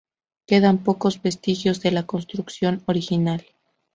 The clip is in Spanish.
Quedan pocos vestigios de la construcción original.